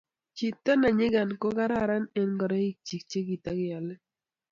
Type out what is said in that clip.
chito ne nyikan ko kararanit eng ngoroik chi che katekeole